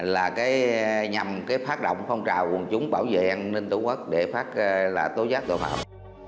là đưa thông tin về vụ án lên nhằm phát động phong trào quân chúng bảo vệ an ninh tổ quốc để phát tố giác tội phạm